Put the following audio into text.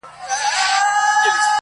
هر ستمګر ته د اغزیو وطن!